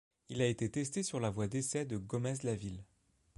Il a été testé sur la voie d'essai de Gometz-la-Ville.